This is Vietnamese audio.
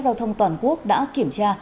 giao thông toàn quốc đã kiểm tra